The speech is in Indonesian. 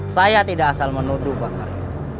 saya tidak asal menuduh pak karyo